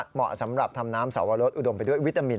เหมาะสำหรับทำน้ำสวรสอุดมไปด้วยวิตามิน